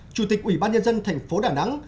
chủ tịch ủy ban nhân dân thành phố đà nẵng